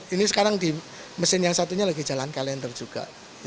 ini sekarang di mesin yang satunya lagi jalan kalender juga